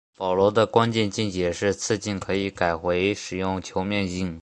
保罗的关键见解是次镜可以改回使用球面镜。